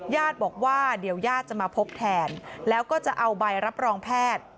ญาติบอกว่าเดี๋ยวญาติจะมาพบแทนแล้วก็จะเอาใบรับรองแพทย์